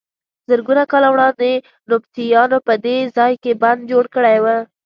زرګونه کاله وړاندې نبطیانو په دې ځای کې بند جوړ کړی و.